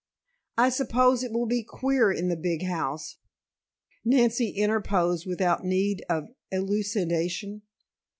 "I suppose it will be queer in the big house," Nancy interposed without need of elucidation.